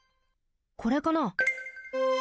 これかな？